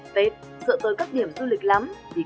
tết sợ tôi các điểm du lịch lắm